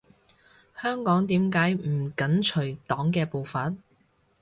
香港點解唔緊隨黨嘅步伐？